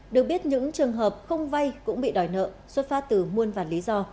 được biết những trường hợp không vay cũng bị đòi nợ xuất phát từ muôn vàn lý do